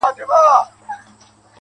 بيا دي ستني ډيري باندي ښخي کړې~